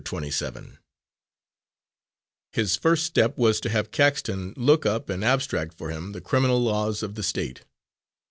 Twenty seven His first step was to have Caxton look up and abstract for him the criminal laws of the State.